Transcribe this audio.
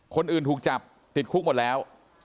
คนอื่นถูกจับติดคุกหมดแล้ว